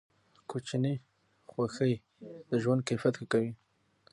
کوچني خوښۍ د ژوند کیفیت ښه کوي.